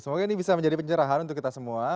semoga ini bisa menjadi pencerahan untuk kita semua